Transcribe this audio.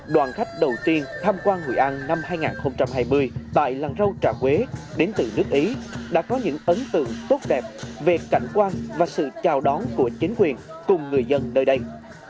đoàn khách đầu tiên tham quan hội an năm hai nghìn hai mươi tại làng rau trà quế đến từ nước ý đã có những ấn tượng tốt đẹp về cảnh quan và sự chào đón của chính quyền cùng người dân nơi đây